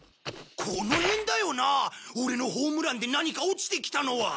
この辺だよなオレのホームランで何か落ちてきたのは。